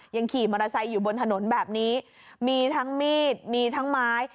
ขี่มอเตอร์ไซค์อยู่บนถนนแบบนี้มีทั้งมีดมีทั้งไม้